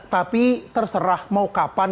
tapi terserah mau kapan